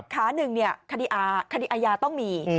ค้าหนึ่งเนี่ยคดีอาคดีอายาต้องมี